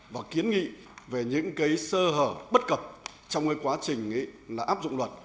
và kiến nghị về những sơ hở bất cập trong quá trình áp dụng luật